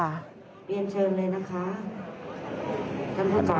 เรียนเชิญเลยนะคะ